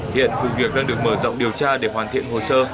hiện vụ việc đang được mở rộng điều tra để hoàn thiện hồ sơ